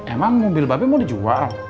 emang mobil babi mau dijual